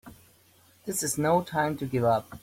This is no time to give up!